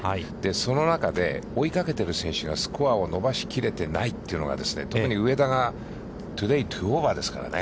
その中で追いかけている選手がスコアを伸ばしきれてないというのが、特に上田が、トゥデイ、２オーバーですからね。